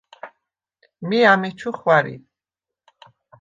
მი ამეჩუ ხვა̈რი.